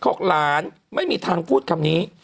บอกหลานไม่มีทางพูดคำนี้